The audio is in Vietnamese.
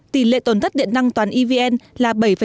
tỷ lệ tồn tất điện năng toàn evn là bảy chín mươi bốn